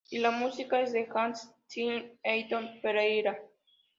Y la música es de Hans Zimmer y Heitor Pereira.